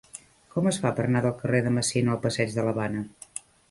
Com es fa per anar del carrer de Messina al passeig de l'Havana?